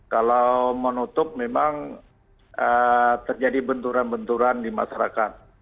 kalau menutup memang terjadi benturan benturan di masyarakat